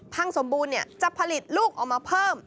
พังสมบูรณ์เนี่ยจะผลิตลูกออกมาเพิ่ม